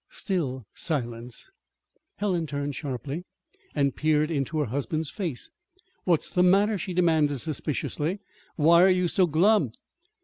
Still silence. Helen turned sharply and peered into her husband's face. "What's the matter?" she demanded suspiciously. "Why are you so glum?"